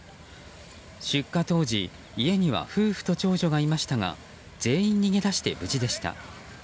出火当時、家には夫婦と長女がいましたが全員、逃げ出して無事でした。